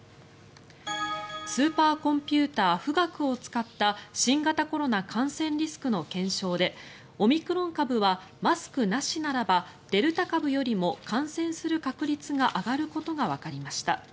スーパーコンピューター富岳を使った新型コロナ感染リスクの検証でオミクロン株はマスクなしならばデルタ株よりも感染する確率が上がることがわかりました。